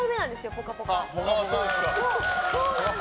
「ぽかぽか」。